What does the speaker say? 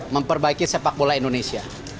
memperbaiki sepakbola indonesia